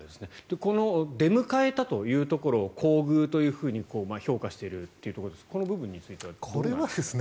この出迎えたというところ厚遇というふうに評価しているというところこの部分についてはどうなんですかね。